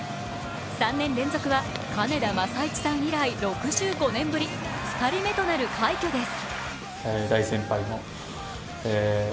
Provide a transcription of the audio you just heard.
３年連続は金田正一さん以来６５年ぶり、２人目となる快挙です。